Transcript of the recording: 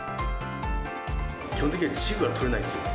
基本的には稚魚が取れないんですよ。